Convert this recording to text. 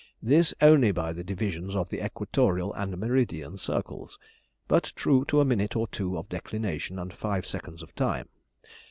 This only by the divisions of the equatorial and meridian circles, but true to a minute or two of declination and five seconds of time.